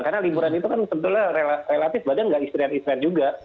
karena liburan itu kan sebetulnya relatif badan tidak isterian isterian juga